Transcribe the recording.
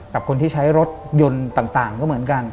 กับคนที่ใช้รถยนต์ต่างก็เหมือนกัน